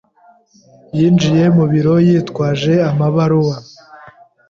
yinjiye mu biro yitwaje amabaruwa.